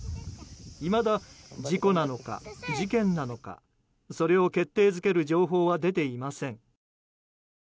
いまだ、事故なのか事件なのかそれを決定づける情報は出ていません。